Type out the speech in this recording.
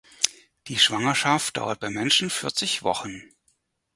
Die Schwangerschaft dauert beim Menschen vierzig Wochen.